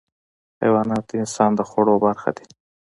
حیوانات د انسان د خوړو برخه دي.